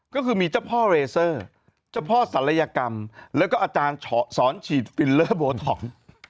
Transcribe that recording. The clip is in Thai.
ก็คือมีเจ้าพ่อเรเซอร์เจ้าพ่อศัลยกรรมแล้วก็อาจารย์สอนฉีดฟิลเลอร์โบท็อก